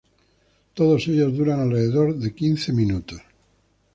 Todos ellos duran alrededor de quince minutos.